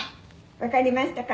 わかりましたか？」